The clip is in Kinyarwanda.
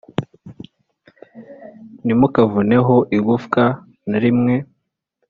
Ntimukavuneho Igufwa Na Rimwe